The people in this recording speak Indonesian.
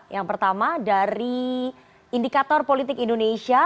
yang pertama dari indikator politik indonesia